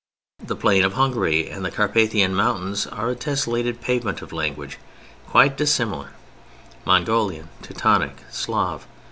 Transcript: The plain of Hungary and the Carpathian Mountains are a tesselated pavement of languages quite dissimilar, Mongolian, Teutonic, Slav.